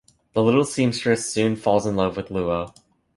The Little Seamstress soon falls in love with Luo.